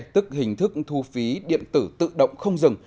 tức hình thức thu phí điện tử tự động không dừng